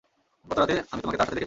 গতরাতে, আমি তোমাকে তার সাথে দেখেছি।